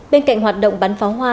bên cạnh hoạt động bắn pháo hoa